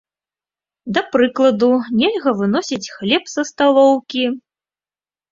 Да прыкладу, нельга выносіць хлеб са сталоўкі.